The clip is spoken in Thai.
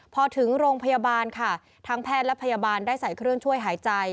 พอถึงโรงพยาบาลค่ะทั้งแพทย์และพยาบาลได้ใส่เครื่องช่วยหายใจ